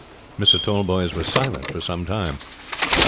Mr. Tallboys was silent for some time.